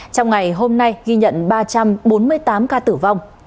trong ngày hôm nay ghi nhận ba trăm bốn mươi tám ca tử vong